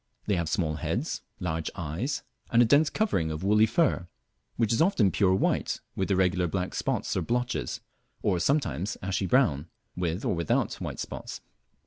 They have small heads, large eyes, and a dense covering of woolly fur, which is often pure white with irregular black spots or blotches, or sometimes ashy brown with or without white spots.